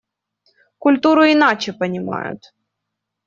Культуру иначе понимают.